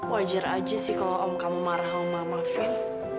wajar aja sih kalau om kamu marah sama mama fin